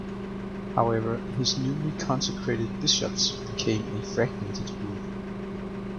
However, his newly consecrated bishops became a fragmented group.